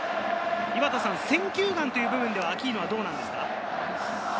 選球眼という部分ではどうなんですか？